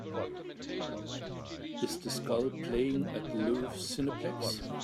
Is The Skull playing at Loews Cineplex